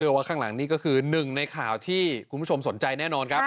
ว่าข้างหลังนี่ก็คือหนึ่งในข่าวที่คุณผู้ชมสนใจแน่นอนครับ